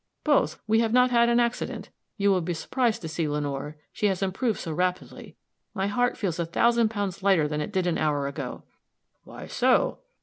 "Both. We have not had an accident. You will be surprised to see Lenore, she has improved so rapidly. My heart feels a thousand pounds lighter than it did an hour ago." "Why so?"